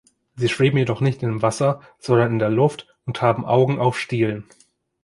Sie schweben jedoch nicht im Wasser, sondern in der Luft und haben Augen auf Stielen.